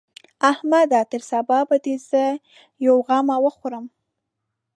احمده! تر سبا به دې زه يوه غمه وخورم.